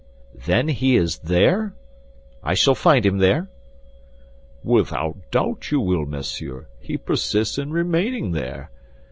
"Then he is there? I shall find him there?" "Without doubt you will, monsieur; he persists in remaining there.